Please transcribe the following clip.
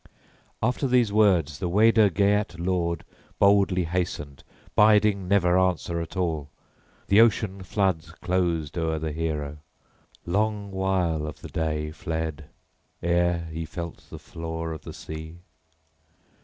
After these words the Weder Geat lord boldly hastened, biding never answer at all: the ocean floods closed o'er the hero. Long while of the day fled ere he felt the floor of the sea.